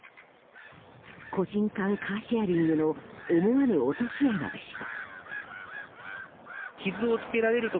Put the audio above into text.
個人間カーシェアリングの思わぬ落とし穴でした。